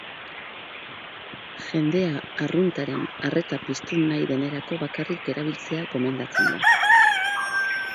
Jende arruntaren arreta piztu nahi denerako bakarrik erabiltzea gomendatzen da.